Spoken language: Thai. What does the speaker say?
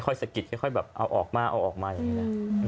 ค่อยสะกิดค่อยแบบเอาออกมาอย่างนี้แหละ